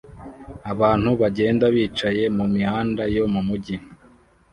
abantu bagenda bicaye mumihanda yo mumujyi